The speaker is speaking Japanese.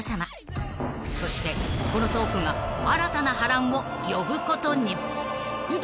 ［そしてこのトークが新たな波乱を呼ぶことに］